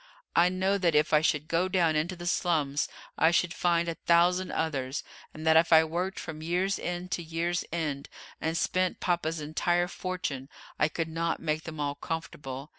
I know that if I should go down into the slums I should find a thousand others, and that if I worked from year's end to year's end, and spent papa's entire fortune, I could not make them all comfortable.